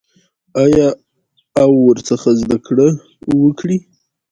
آیا او ورڅخه زده کړه وکړي؟